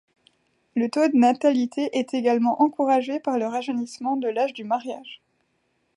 Le taux de natalité est également encouragé par le rajeunissement de l'âge du mariage.